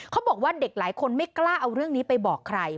เขาบอกว่าเด็กหลายคนไม่กล้าเอาเรื่องนี้ไปบอกใคร